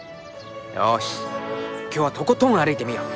よし今日はとことん歩いてみよう。